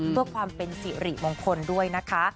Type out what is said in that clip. เพื่อความเป็นสิริมงคลด้วยนะคะ